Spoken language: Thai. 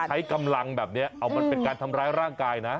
ใช้กำลังแบบนี้เอามันเป็นการทำร้ายร่างกายนะ